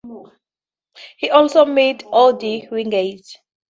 He also met Orde Wingate.